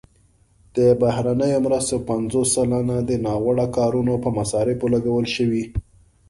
د بهرنیو مرستو پنځوس سلنه د ناوړه کارونې په مصارفو لګول شوي.